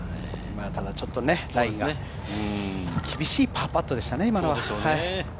ただ、ちょっとラインが厳しいパーパットでしたね。